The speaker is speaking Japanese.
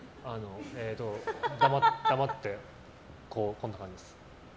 黙って、こんな感じです。